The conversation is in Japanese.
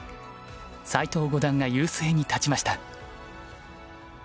斎藤五段が優勢に立ちました。